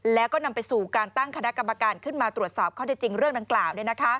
แล้วก็นำไปสู่การตั้งคณะกรรมการขึ้นมาตรวจสอบข้อได้จริงเรื่องดังกล่าว